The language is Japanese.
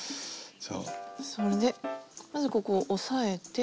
それでまずここを押さえて。